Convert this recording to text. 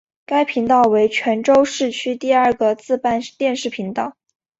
该频道为泉州市区第二个自办电视频道。